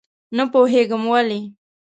نه پوهېږم ولې.